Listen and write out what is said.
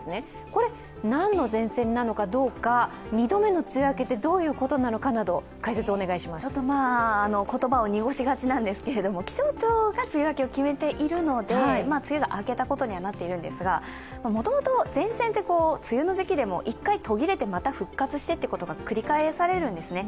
これ、何の前線なのかどうか２度目の梅雨明けってどういうことなのかなど言葉を濁しがちなんですけれども、気象庁が梅雨明けを決めているので梅雨が明けたことにはなっているんですがもともと前線って梅雨の時期でも一回途切れてまた復活してということが繰り返されるんですね。